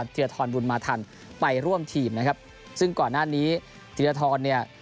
ธีรทรบุญมาทันไปร่วมทีมนะครับซึ่งก่อนหน้านี้ธีรทรเนี่ย